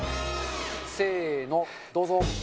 せーのどうぞ。